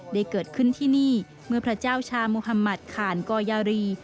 ได้เกิดขึ้นที่นี่เมื่อพระเจ้าชามุธมัติขานกอยารี